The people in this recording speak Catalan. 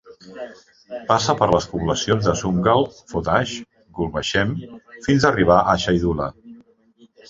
Passa per les poblacions de Sumgal, Fotash, Gulbashem, fins arribar a Xaidulla.